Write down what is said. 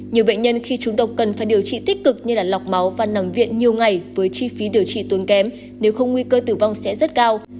nhiều bệnh nhân khi chúng độc cần phải điều trị tích cực như lọc máu và nằm viện nhiều ngày với chi phí điều trị tốn kém nếu không nguy cơ tử vong sẽ rất cao